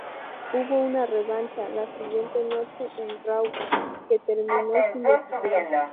Hubo una revancha la siguiente noche en "Raw" que terminó sin decisión.